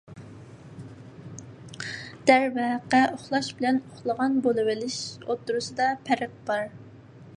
دەرۋەقە، ئۇخلاش بىلەن ئۇخلىغان بولۇۋېلىش ئوتتۇرىسىدا پەرق بار.